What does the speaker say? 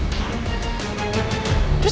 itu tapi guys